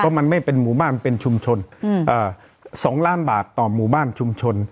เพราะมันไม่เป็นหมู่บ้านเป็นชุมชนอืมอ่าสองล้านบาทต่อหมู่บ้านชุมชน